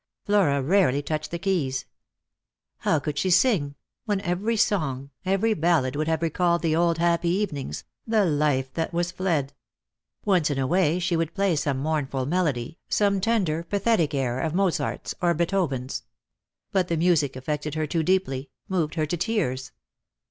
Flora rarely touched the keys. How could she sing, when every song, every ballad would have recalled the old happy evenings, the life that was fled P Once in a way she would play some mournful melody, some tender pathetic air of Mozart's or Beethoven's. But the music affected her too deeply, moved her to tears.